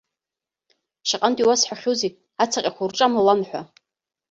Шаҟантә иуасҳәахьоузеи ацаҟьақәа урҿамлалан ҳәа!